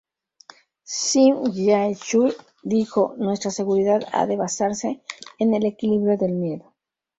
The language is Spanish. Shim Jae-chul dijo: "Nuestra seguridad ha de basarse en el equilibrio del miedo".